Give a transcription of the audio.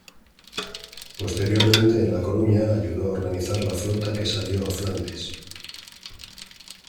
Posteriormente en la Coruña, ayudó a organizar la flota que salió a Flandes.